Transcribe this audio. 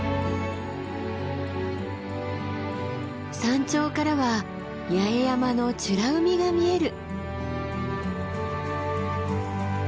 山頂からは八重山の美ら海が見える。